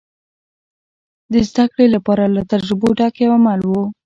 د زدهکړې لپاره له تجربو ډک یو عمل و.